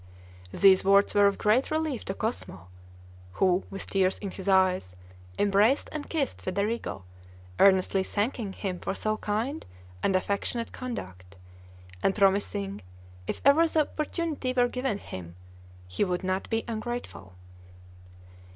These words were of great relief to Cosmo, who, with tears in his eyes, embraced and kissed Federigo, earnestly thanking him for so kind and affectionate conduct, and promising, if ever the opportunity were given him, he would not be ungrateful.